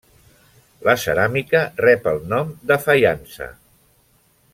La ceràmica rep el nom de faiança.